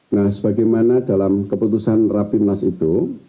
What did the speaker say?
nah sebagaimana dalam keputusan rapimnas itu